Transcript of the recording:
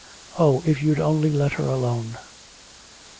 Oh, if you'd only let her alone.